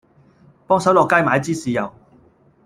幫手落街買支豉油